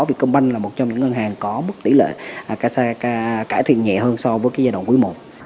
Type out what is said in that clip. vì techcombank là một trong những ngân hàng có mức tỷ lệ kasha cải thiện nhẹ hơn so với giai đoạn quý i